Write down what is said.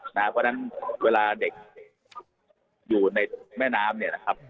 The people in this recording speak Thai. เพราะฉะนั้นเวลาเด็กอยู่ในแม่น้ำเนี่ยนะครับ